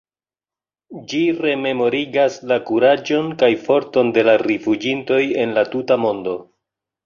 Ĝi rememorigas la kuraĝon kaj forton de la rifuĝintoj en la tuta mondo.